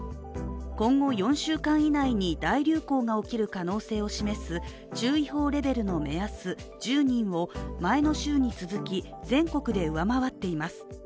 今後４週間以内に大流行が起きる可能性を示す注意報レベルの目安、１０人を前の週に続き全国で上回っています。